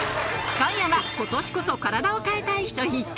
今夜は今年こそ体を変えたい人必見！